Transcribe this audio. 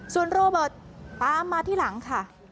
ส่วนโรเบิร์ตตามมาที่หลังค่ะ